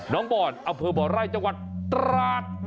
น้องบ่อนอเวอร์บ่อไร่จังหวัดตราธ